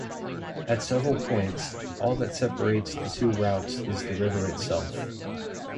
At several points, all that separates the two routes is the river itself.